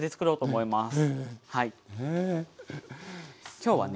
今日はね